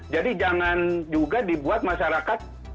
jadi jangan juga dibuat masyarakat